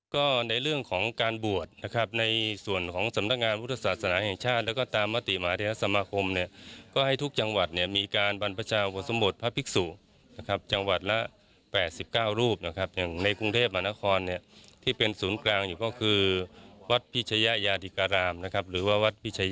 ก็ในเรื่องของการบวชนะครับในส่วนของสำนักงานพุทธศาสนาแห่งชาติแล้วก็ตามมติมหาเทศสมาคมเนี่ยก็ให้ทุกจังหวัดเนี่ยมีการบรรพชาอุปสมบทพระภิกษุนะครับจังหวัดละ๘๙รูปนะครับอย่างในกรุงเทพมหานครเนี่ยที่เป็นศูนย์กลางอยู่ก็คือวัดพิชยะยาดิการามนะครับหรือว่าวัดพิช